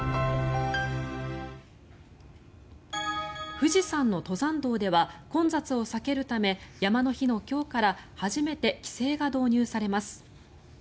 富士山の登山道では混雑を避けるため山の日の今日から初めて規制が導入されます。